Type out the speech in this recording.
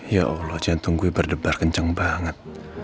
ya allah jangan tunggu gue berdebar kenceng banget